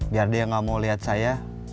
biar dia gak mau lihat saya